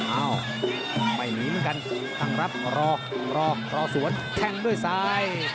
อ้าวไม่หนีเหมือนกันตั้งรับรอรอสวนแข้งด้วยซ้าย